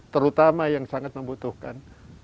terutama yang sangat membutuhkan